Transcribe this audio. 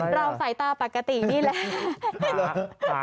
เราสายตาปกตินี่แหละ